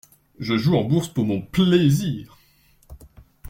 Je joue en bourse pour mon plaisir.